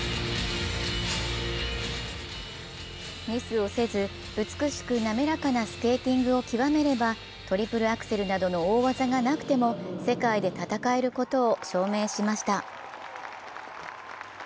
ミスをせず、美しく滑らかなスケーティングを極めればトリプルアクセルなどの大技がなくても世界で戦えることを証明しました。